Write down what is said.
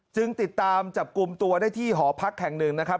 จึงติดตามจับกลุ่มตัวได้ที่หอพักแห่งหนึ่งนะครับ